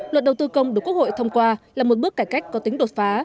luật đầu tư công được quốc hội thông qua là một bước cải cách có tính đột phá